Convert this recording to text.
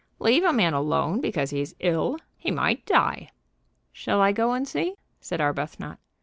"Leave a man alone because he's ill! He might die." "Shall I go and see?" said Arbuthnot.